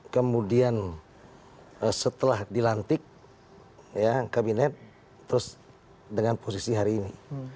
kemudian setelah dilantik kabinet terus dengan posisi hari ini